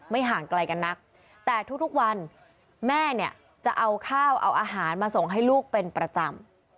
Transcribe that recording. ห่างไกลกันนักแต่ทุกวันแม่เนี่ยจะเอาข้าวเอาอาหารมาส่งให้ลูกเป็นประจำ